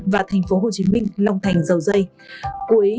và thành phố hồ chí minh long thành dầu dây